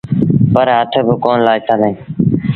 پر هٿ با ڪونا لآٿآݩدي۔